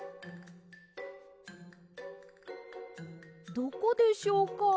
どこでしょうか？